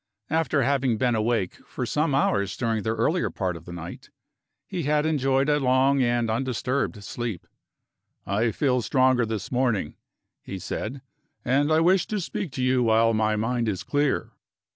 After having been awake for some hours during the earlier part of the night, he had enjoyed a long and undisturbed sleep. "I feel stronger this morning," he said, "and I wish to speak to you while my mind is clear."